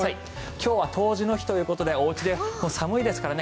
今日は冬至の日ということでおうちで、寒いですからね。